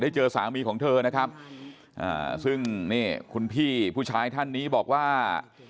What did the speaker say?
เจอสามีของเธอนะครับอ่าซึ่งนี่คุณพี่ผู้ชายท่านนี้บอกว่า